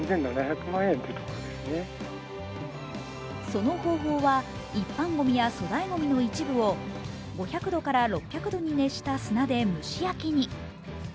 その方法は一般ゴミや粗大ごみの一部を５００度から６００度に熱した砂で蒸し焼きに。